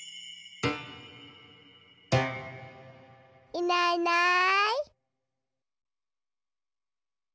いないいない。